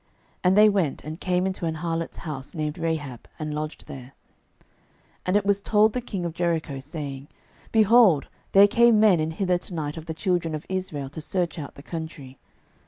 And they went, and came into an harlot's house, named Rahab, and lodged there. 06:002:002 And it was told the king of Jericho, saying, Behold, there came men in hither to night of the children of Israel to search out the country.